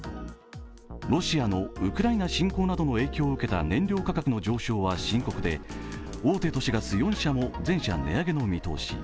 ロシアのウクライナ侵攻などの影響を受けた燃料価格の上昇は深刻で大手都市ガス４社も全社値上げの見通し。